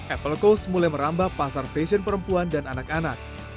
apple coast mulai merambah pasar fashion perempuan dan anak anak